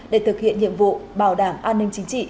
để thực hiện nhiệm vụ bảo đảm an ninh chính trị